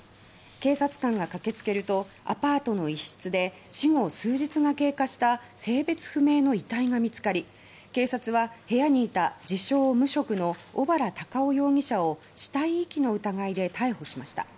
警察官が駆け付けるとアパートの一室で死後数日が経過した性別不明の遺体が見つかり警察は部屋にいた自称・無職の小原隆夫容疑者を死体遺棄の疑いで逮捕しました。